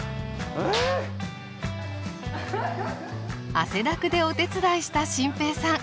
汗だくでお手伝いした心平さん。